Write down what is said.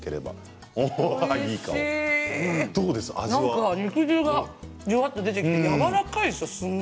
なんか肉汁がじゅわっと出てきてやわらかい。